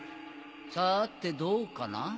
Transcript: さぁてどうかな？